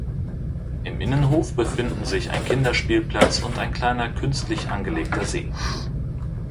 Im Innenhof befinden sich ein Kinderspielplatz und ein kleiner künstlich angelegter See.